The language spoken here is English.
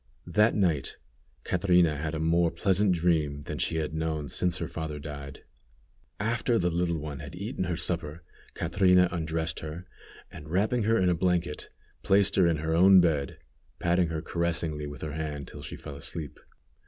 That night Catrina had a more pleasant dream than she had known since her father died. After the little one had eaten her supper, Catrina undressed her, and wrapping her in a blanket, placed her in her own bed, patting her caressingly with her hand till she fell asleep.